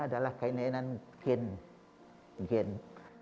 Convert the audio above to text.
secara medis hani menginap retinoblastoma atau kanker pada retina